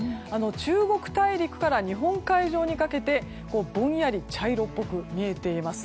中国大陸から日本海上にかけてぼんやり茶色っぽく見えています。